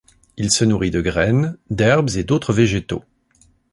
Il se nourrit de graines, d'herbes et autres végétaux.